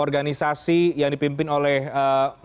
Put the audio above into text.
organisasi yang dipimpin oleh pemerintah